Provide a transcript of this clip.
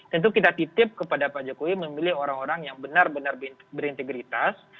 tentu kita titip kepada pak jokowi memilih orang orang yang benar benar berintegritas